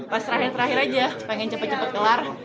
pas terakhir terakhir aja pengen cepet cepet kelar